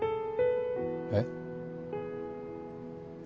えっ？